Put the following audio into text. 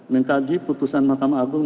mengkaji putusan mahkamah agung